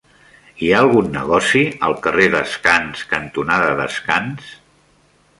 Hi ha algun negoci al carrer Descans cantonada Descans?